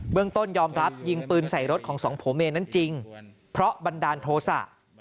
เรื่องต้นยอมรับยิงปืนใส่รถของสองผัวเมียนั้นจริงเพราะบันดาลโทษะ